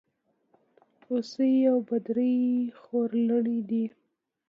هوسۍ او بدرۍ خورلڼي دي.